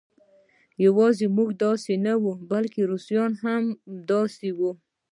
یوازې موږ داسې نه وو بلکې روسان هم همداسې وو